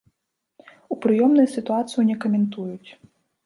У прыёмнай сітуацыю не каментуюць.